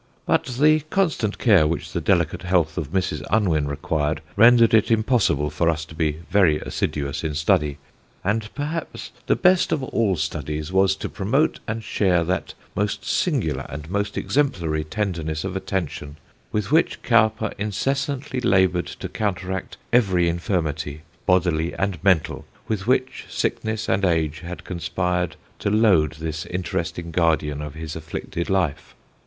But the constant care which the delicate health of Mrs. Unwin required rendered it impossible for us to be very assiduous in study, and perhaps the best of all studies was to promote and share that most singular and most exemplary tenderness of attention with which Cowper incessantly laboured to counteract every infirmity, bodily and mental, with which sickness and age had conspired to load this interesting guardian of his afflicted life....